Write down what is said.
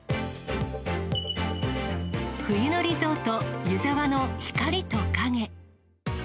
冬のリゾート、湯沢の光と影。